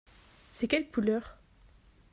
C'est quelle couleur ?